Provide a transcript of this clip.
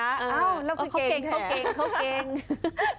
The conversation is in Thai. อ้าวแล้วคือก่ือควรเกณฑ์แท้